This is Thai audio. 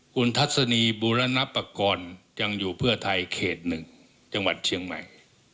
คุณทัศนีบูรณปกรณ์ยังอยู่เพื่อไทยเขต๑จังหวัดเชียงใหม่